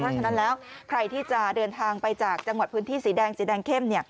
เพราะฉะนั้นแล้วใครที่จะเดินทางไปจากจังหวัดพื้นที่สีแดงสีแดงเข้ม